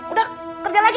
udah kerja lagi